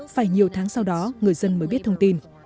phải nhiều tháng sau đó người dân mới biết thông tin